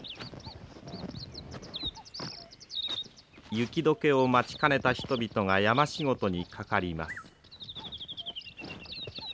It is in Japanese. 雪解けを待ちかねた人々が山仕事にかかります。